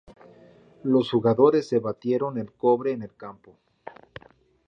Los jugadores se batieron el cobre en el campo